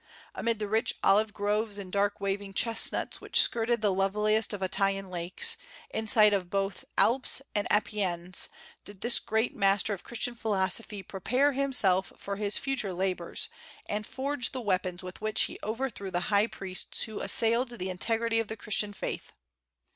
Amid the rich olive groves and dark waving chesnuts which skirted the loveliest of Italian lakes, in sight of both Alps and Apennines, did this great master of Christian philosophy prepare himself for his future labors, and forge the weapons with which he overthrew the high priests who assailed the integrity of the Christian faith.